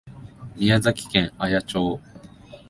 宮崎県綾町